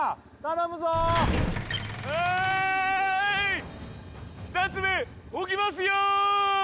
はい２つ目置きますよ！